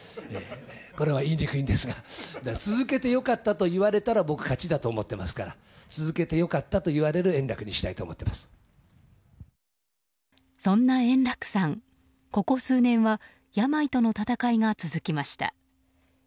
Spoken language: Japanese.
これは言いにくいんですが続けて良かったと言われたら僕が勝ちだと思いますから続けて良かったと言われるそんな円楽さん、ここ数年は病との闘いが続きました。